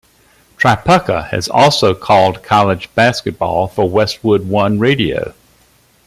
Tripucka has also called college basketball for Westwood One radio.